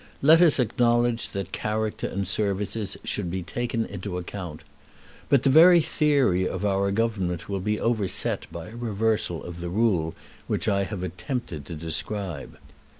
Let us acknowledge that character and services should be taken into account. But the very theory of our Government will be overset by a reversal of the rule which I have attempted to describe.